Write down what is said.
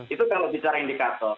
itu kalau bicara indikator